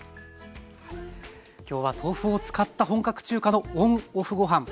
今日は豆腐を使った本格中華のＯＮ＆ＯＦＦごはん。